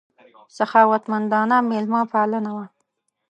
سخاوتمندانه مېلمه پالنه وه.